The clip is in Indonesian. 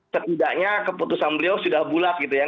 setidaknya keputusan beliau sudah bulat gitu ya